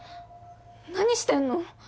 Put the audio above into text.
何してんの？